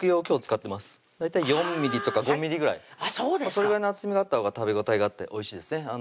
今日使ってます大体４ｍｍとか５ｍｍぐらいあっそうですかそれぐらいの厚みがあったほうが食べ応えがあっておいしいですね